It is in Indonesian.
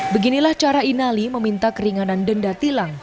beginilah cara inali meminta keringanan denda tilang